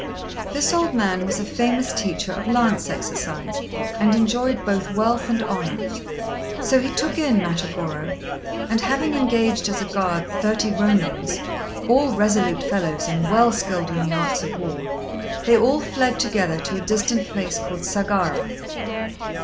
This old man was a famous teacher of lance exercise, and enjoyed both wealth and honour; so he took in Matagorô, and having engaged as a guard thirty Rônins, all resolute fellows and well skilled in the arts of war, they all fled together to a distant place called Sagara.